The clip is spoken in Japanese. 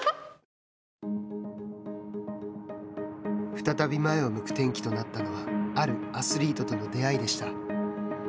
再び前を向く転機となったのはあるアスリートとの出会いでした。